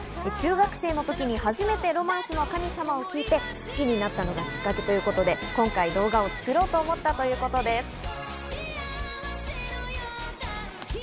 中学生の時に初めて『ロマンスの神様』を聴いて、好きになったのがきっかけということで今回動画を作ろうと思ったということです。